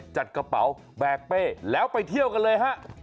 จัดกระเป๋าแบกเป้แล้วไปเที่ยวกันเลยฮะ